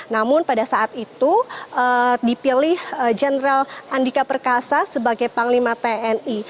namun pada saat itu dipilih jenderal andika perkasa sebagai panglima tni